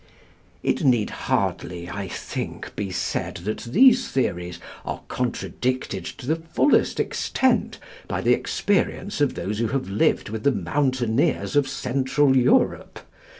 It need hardly, I think, be said that these theories are contradicted to the fullest extent by the experience of those who have lived with the mountaineers of Central Europe.